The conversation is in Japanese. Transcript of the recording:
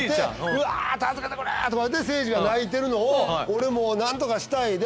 「うわ助けてくれ！」とかってせいじが泣いてるのを俺も何とかしたい。